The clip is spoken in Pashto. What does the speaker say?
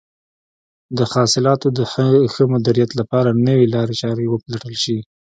د حاصلاتو د ښه مدیریت لپاره نوې لارې چارې وپلټل شي.